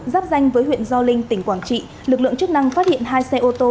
giáp danh với huyện gio linh tỉnh quảng trị lực lượng chức năng phát hiện hai xe ô tô